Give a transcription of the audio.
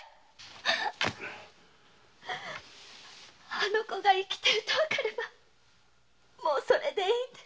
あの子が生きているとわかればもうそれでいいんです。